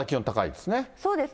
そうですね。